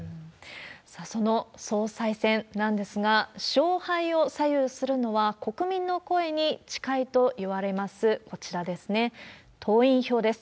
さあ、その総裁選なんですが、勝敗を左右するのは、国民の声に近いといわれます、こちらですね、党員票です。